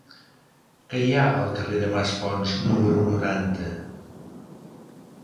Què hi ha al carrer de Maspons número noranta?